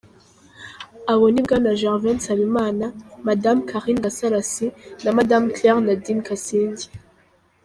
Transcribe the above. Abo ni Bwana Gervais Nsabimana, Madame Karine Gasarasi na Madame Claire Nadine Kasinge.